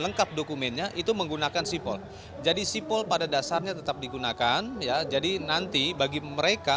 lengkap dokumennya itu menggunakan sipol jadi sipol pada dasarnya tetap digunakan ya jadi nanti bagi mereka